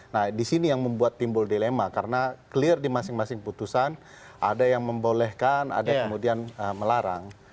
nah di sini yang membuat timbul dilema karena clear di masing masing putusan ada yang membolehkan ada yang kemudian melarang